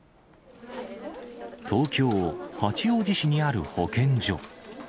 東京・八王子市にある保健所。